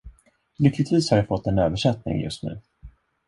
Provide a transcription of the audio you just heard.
Lyckligtvis har jag fått en översättning just nu.